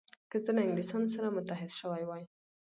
که زه له انګلیسانو سره متحد شوی وای.